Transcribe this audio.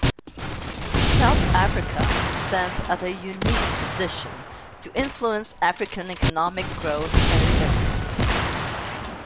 South Africa stands at a unique position to influence African economic growth and investment.